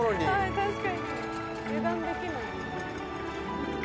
確かに油断できない。